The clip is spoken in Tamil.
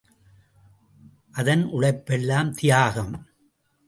அதன் உழைப்பெல்லாம் தியாகம்.